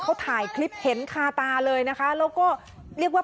เขาถ่ายคลิปเห็นคาตาเลยนะคะแล้วก็เรียกว่า